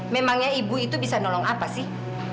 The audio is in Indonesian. memangnya ibu itu bisa nolong apa sih